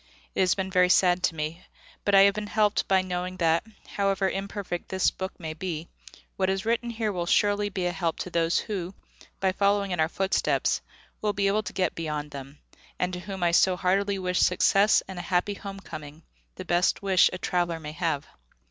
It has been very sad to me, but I have been helped by knowing that, however imperfect this book may be, what is written here will surely be a help to those who, by following in our footsteps, will be able to get beyond them, and to whom I so heartily wish success and a Happy Home coming, the best wish a traveller may have.